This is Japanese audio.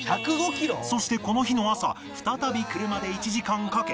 そしてこの日の朝再び車で１時間かけ